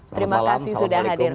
terima kasih sudah hadir